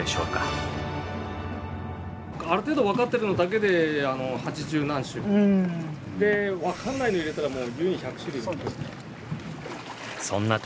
ある程度分かってるのだけで八十何種。で分かんないの入れたらもう優にそんな時。